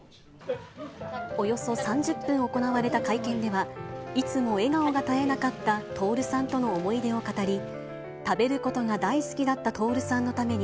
およそ３０分行われた会見では、いつも笑顔が絶えなかった徹さんとの思い出を語り、食べることが大好きだった徹さんのために、